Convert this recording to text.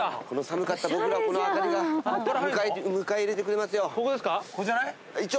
この寒かった僕らをこの灯りが迎え入れてくれますよ。